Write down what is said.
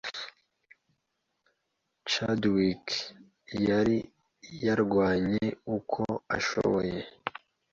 Chadwick yari yarwanye uko ashoboye,